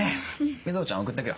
瑞穂ちゃん送ってくよ。